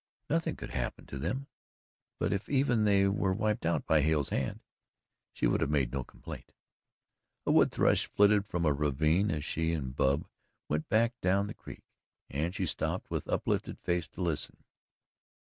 Nothing could happen to them, but if even they were wiped out by Hale's hand she would have made no complaint. A wood thrush flitted from a ravine as she and Bub went back down the creek and she stopped with uplifted face to listen.